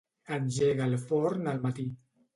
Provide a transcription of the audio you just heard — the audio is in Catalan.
Engega el forn al matí.